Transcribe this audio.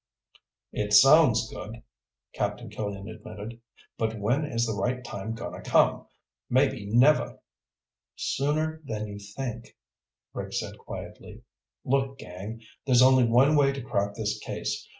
"It sounds good," Captain Killian admitted. "But when is the right time going to come? Maybe never." "Sooner than you think," Rick said quietly. "Look, gang. There's only one way to crack this case.